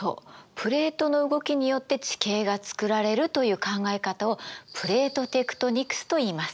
プレートの動きによって地形がつくられるという考え方をプレートテクトニクスといいます。